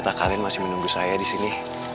tapi kalian masih menunggu saya disini